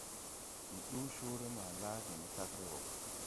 Ndi ɗuu coore maa laage ne kagre woo.